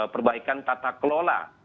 perbaikan tata kelola